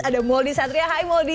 ada mouldie satria hai moldi